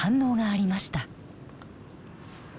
ありました。